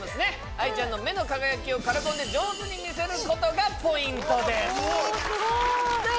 アイちゃんの目の輝きをカラコンで上手に見せることがポイントですさあ